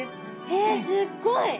へえすっごい！